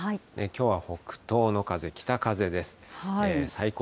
きょうは北東の風、北風です。